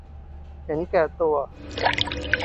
เห็นแก่ตัว